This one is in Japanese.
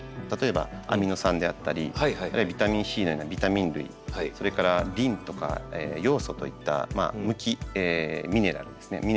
例えばアミノ酸であったりビタミンＣのようなビタミン類それからリンとかヨウ素といった無機ミネラルですね。